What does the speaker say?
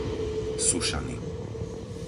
Sušany